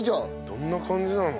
どんな感じなの？